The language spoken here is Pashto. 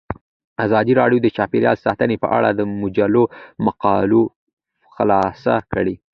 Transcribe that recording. ازادي راډیو د چاپیریال ساتنه په اړه د مجلو مقالو خلاصه کړې.